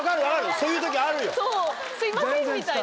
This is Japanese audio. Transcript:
そうすいませんみたいな。